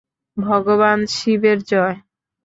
ভগবান শিবের জয়।